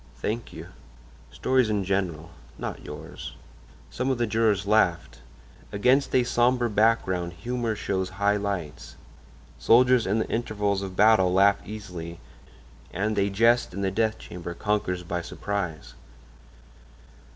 "Thank you." "Stories in general—not yours." Some of the jurors laughed. Against a sombre background humor shows high lights. Soldiers in the intervals of battle laugh easily, and a jest in the death chamber conquers by surprise.